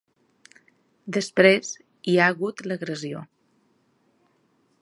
Després hi ha hagut l’agressió.